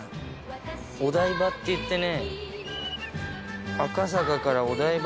お台場っていってね。